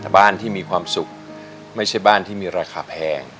บ้านที่มีความสุขไม่ใช่บ้านที่มีราคาแพง